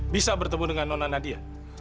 bisa bertemu dengan nona nadia